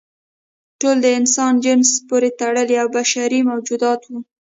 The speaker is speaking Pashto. ټول د انسان جنس پورې تړلي او بشري موجودات وو.